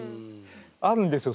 あるんですよ